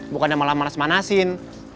bukannya malah manas manasin